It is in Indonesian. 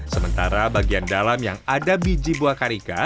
sementara bagian dalam yang ada biji buah karika